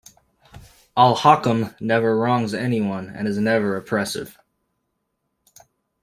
Al-Hakam never wrongs anyone and is never oppressive.